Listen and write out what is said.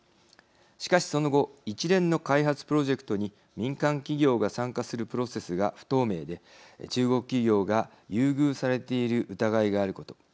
しかしその後一連の開発プロジェクトに民間企業が参加するプロセスが不透明で中国企業が優遇されている疑いがあること。